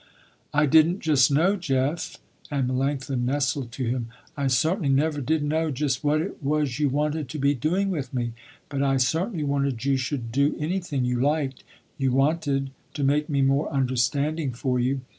"I didn't just know, Jeff," and Melanctha nestled to him, "I certainly never did know just what it was you wanted to be doing with me, but I certainly wanted you should do anything you liked, you wanted, to make me more understanding for you.